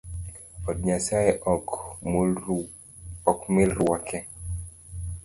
Od nyasaye ok milruoke